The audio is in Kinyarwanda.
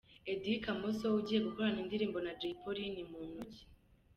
Eddy Kamoso ugiye gukorana indirimbo na Jay Polly ni muntu ki? .